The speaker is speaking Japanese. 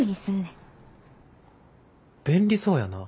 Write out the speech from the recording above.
便利そうやな。